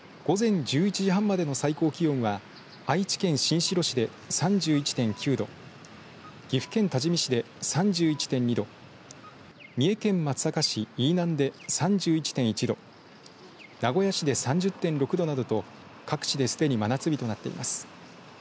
午前１１時半までの最高気温は愛知県新城市で３１．９度岐阜県多治見市で３１．２度三重県松阪市飯南で３１．１度名古屋市で３０．６度などと各地ですでに真夏日となっています。